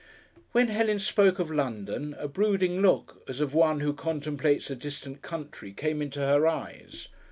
When Helen spoke of London a brooding look, as of one who contemplates a distant country, came into her eyes.